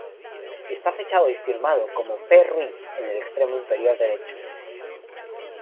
Está fechado y firmado como "P. Ruiz" en el extremo inferior derecho.